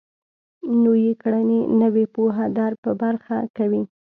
نويې کړنې نوې پوهه در په برخه کوي.